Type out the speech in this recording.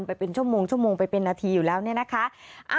ไปเป็นชั่วโมงชั่วโมงไปเป็นนาทีอยู่แล้วเนี่ยนะคะ